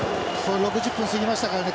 ６０分過ぎましたからね